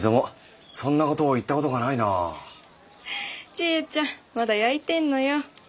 ちえちゃんまだやいてんのよ。